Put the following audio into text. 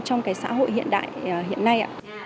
trong xã hội hiện đại hiện nay